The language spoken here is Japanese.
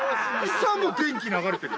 草電気流れてる？